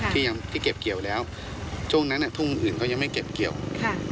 ที่ยังที่เก็บเกี่ยวแล้วช่วงนั้นทุ่งอื่นเขายังไม่เก็บเกี่ยวค่ะ